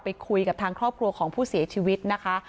ไปคุยกับทางครอบครัวของผู้เสียชีวิตนะคะ